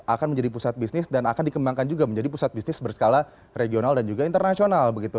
akan menjadi pusat bisnis dan akan dikembangkan juga menjadi pusat bisnis berskala regional dan juga internasional begitu